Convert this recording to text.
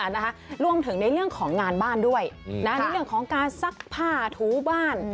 นะคะรวมถึงในเรื่องของงานบ้านด้วยนะในเรื่องของการซักผ้าถูบ้าน